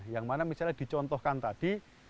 yang mana misalnya dicontohkan tadi